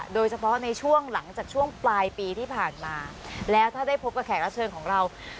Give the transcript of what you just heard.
โดยเฉพาะในช่วงหลังจากช่วงปลายปีที่ผ่านมาแล้วถ้าได้พบกับแขกรับเชิญของเรา